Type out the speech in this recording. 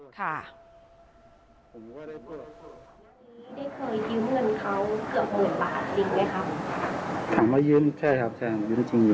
ถามว่ายืนใช่ครับยืนจริงครับ